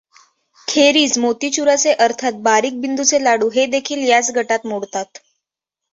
खेरीज मोतीचुराचे अर्थात बारीक बुंदीचे लाडू हेदेखील याच गटात मोडतात.